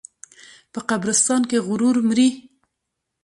په قبرستان کې غرور مري.